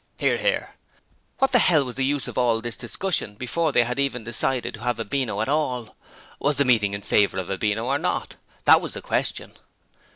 (Hear, hear.) What the hell was the use of all this discussion before they had even decided to have a Beano at all! Was the meeting in favour of a Beano or not? That was the question.